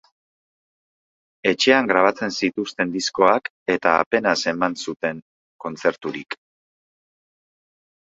Etxean grabatzen zituzten diskoak eta apenas eman zuten kontzerturik.